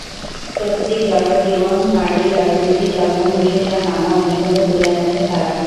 প্রকৃতি, জড়জীবন, নারী, রাজনীতি, চলমান বিশ্বসহ নানা অনুষঙ্গ তুলে এনেছেন তাঁরা।